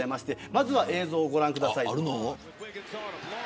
まずは映像をご覧ください。